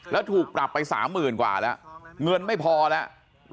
แล้วถูกปรับไป๓๐๐๐กว่าแล้วเงินไม่พอแล้ว